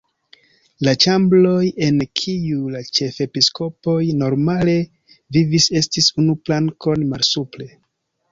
La ĉambroj en kiuj la ĉefepiskopoj normale vivis estis unu plankon malsupre.